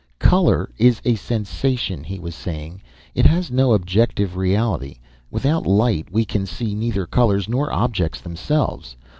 "Color is a sensation," he was saying. "It has no objective reality. Without light, we can see neither colors nor objects themselves.